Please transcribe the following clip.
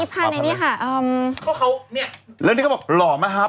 เนื่องจากนี้เขาบอกหล่อมั้ยครับ